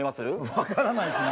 分からないですね